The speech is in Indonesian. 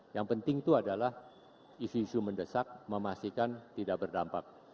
yang penting itu adalah isu isu mendesak memastikan tidak berdampak